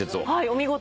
お見事。